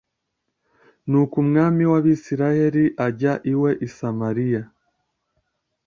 nuko umwami w’abisirayeli ajya iwe i samariya